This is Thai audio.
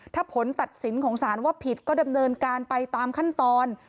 ถ้าผลตัดสินของสารว่าผิดก็ดำเนินการไปตามขั้นตอน